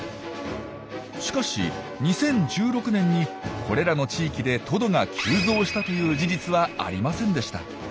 しかし２０１６年にこれらの地域でトドが急増したという事実はありませんでした。